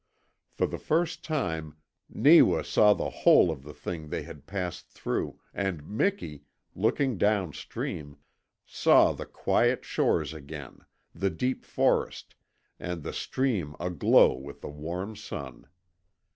For the first time Neewa saw the whole of the thing they had passed through, and Miki, looking down stream, saw the quiet shores again, the deep forest, and the stream aglow with the warm sun.